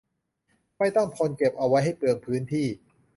ไม่ต้องทนเก็บเอาไว้ให้เปลืองพื้นที่